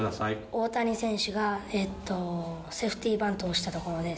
大谷選手がセーフティバントをしたところです。